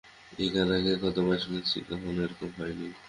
এই গান আগে কতবার শুনেছি, কখনো এরকম হয় নি।